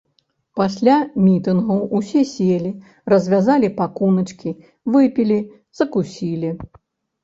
Пасля мітынгу ўсе селі, развязалі пакуначкі, выпілі, закусілі.